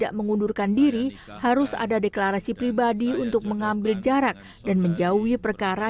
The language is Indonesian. tidak mengundurkan diri harus ada deklarasi pribadi untuk mengambil jarak dan menjauhi perkara